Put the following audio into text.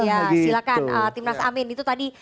ya silakan timnas amin itu tadi